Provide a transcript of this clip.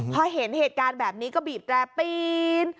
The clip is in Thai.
พอเห็นเหตุการณ์แบบนี้ก็บีบแตรปีน